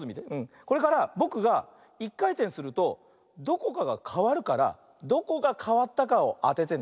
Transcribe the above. これからぼくが１かいてんするとどこかがかわるからどこがかわったかをあててね。